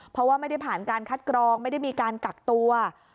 เพราะว่าไม่ได้ผ่านการคัดกรองไม่ได้มีการกักตัว